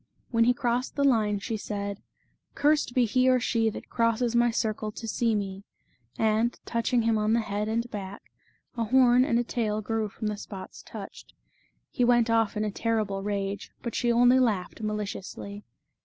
When he crossed the line, she said :" Cursed be he or she That crosses my circle to see me" and, touching him on the head and back, a horn and a tail grew from the spots touched. He went off in a terrible rage, but she only laughed maliciously.